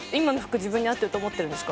自分に合ってると思ってるんですか？